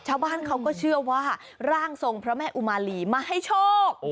ชาวบ้านเขาก็เชื่อว่าร่างทรงพระแม่อุมาลีมาให้โชค